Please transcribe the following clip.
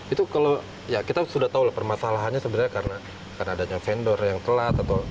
itu kalau ya kita sudah tahu lah permasalahannya sebenarnya karena adanya vendor yang telat atau